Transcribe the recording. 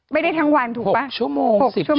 ไม่ได้ทั้งวันถูกป่ะ๖๑๐ชั่วโมงเป็นแบบนี้ฮึนี่